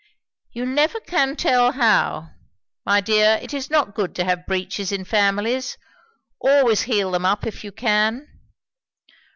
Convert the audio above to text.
"You never can tell how. My dear, it is not good to have breaches in families. Always heal them up, if you can."